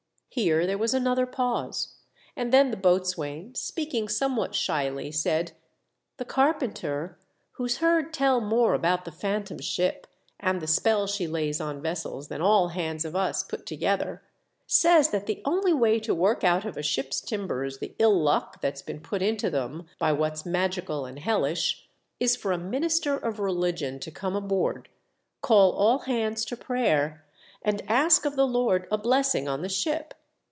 Here there was another pause, and then the boatswain, speaking somewhat shyly, said, " The carpenter, who's heard tell more about the Phantom Ship and the spell she lays on vessels than all hands of us put together, says that the only way to work out of a ship's timbers the ill luck that's been put into them by what's magical and hellish, is for a minister of religion to come aboard, call all hands to prayer, and ask of the Lord MR. HALL HARANGUES THE CREW. 6 1 a blessing on the ship.